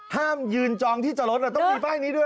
ห้ามยืนจองที่จอดรถต้องมีป้ายนี้ด้วย